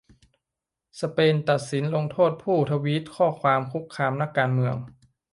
สเปนตัดสินลงโทษผู้ทวีตข้อความคุกคามนักการเมือง